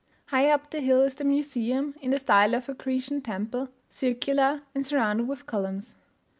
Higher up the hill is the museum, in the style of a Grecian temple circular, and surrounded with columns.